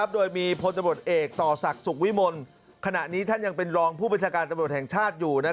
โดยมีพลตำรวจเอกต่อศักดิ์สุขวิมลขณะนี้ท่านยังเป็นรองผู้บัญชาการตำรวจแห่งชาติอยู่